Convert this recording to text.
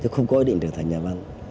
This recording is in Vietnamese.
tôi không có ý định trở thành nhà văn